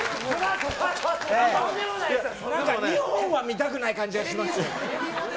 ２本は見たくない感じがします。